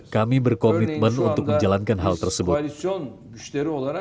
kami berkomitmen untuk menjalankan hal tersebut